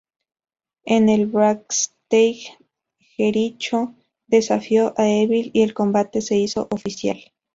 En el backstage, Jericho desafió a Evil y el combate se hizo oficial.